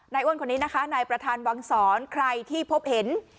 อ้วนคนนี้นะคะนายประธานวังศรใครที่พบเห็น